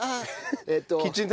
えっと。